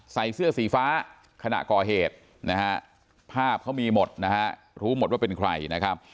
ใส่เสื้อสีฟ้าขณะก่อเหตุนะฮะภาพเขามีหมดนะฮะรู้หมดว่าเป็นใครนะครับ